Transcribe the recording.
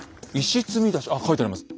あっ書いてあります。